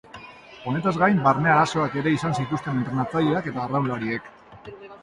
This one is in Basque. Honetaz gain barne arazoak ere izan zituzten entrenatzaileak eta arraunlariek.